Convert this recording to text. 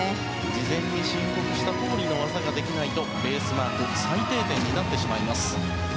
事前に申告したとおりの技ができないと、ベースマーク最低点になってしまいます。